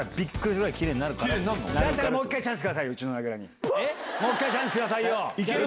うちの名倉にもう１回チャンスくださいよ！